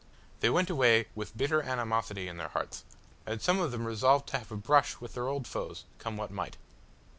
They went away with bitter animosity in their hearts, and some of them resolved to have a brush with their old foes, come what might.